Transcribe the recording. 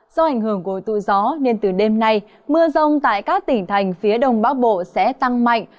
do ảnh hưởng của tụi gió nên từ đêm nay mưa rông tại các tỉnh thành phía đông bắc bộ sẽ tăng mạnh